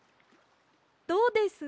どうです？